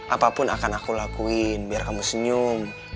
apapun akan aku lakuin biar kamu senyum